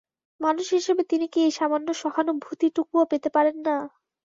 মানুষ হিসেবে তিনি কি এই সামান্য সহানুভূতিটুকুও পেতে পারেন না?